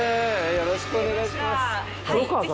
よろしくお願いします。